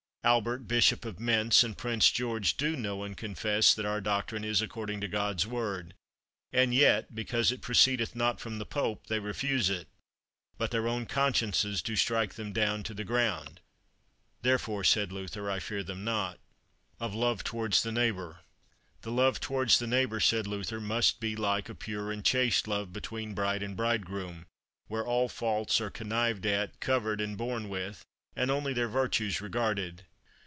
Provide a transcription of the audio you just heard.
Albert, Bishop of Mentz, and Prince George do know and confess that our doctrine is according to God's Word, and yet, because it proceedeth not from the Pope, they refuse it; but their own consciences do strike them down to the ground, therefore, said Luther, I fear them not. Of the Love towards the Neighbour. The love towards the neighbour, said Luther, must be like a pure and chaste love between bride and bridegroom, where all faults are connived at, covered, and borne with, and only their virtues regarded.